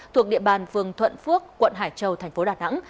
thuộc địa bàn phường thuận phước quận hải châu thành phố đà nẵng